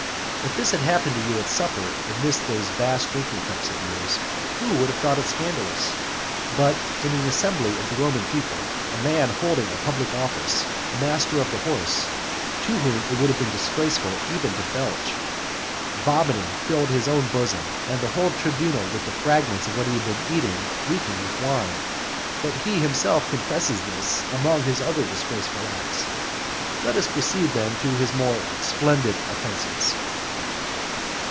If this had happened to you at supper amid those vast drinking cups of yours, who would not have thought it scandalous? But in an assembly of the Roman people, a man holding a public office, a master of the horse, to whom it would have been disgraceful even to belch, vomiting filled his own bosom and the whole tribunal with fragments of what he had been eating reeking with wine. But he himself confesses this among his other disgraceful acts. Let us proceed to his more splendid offences.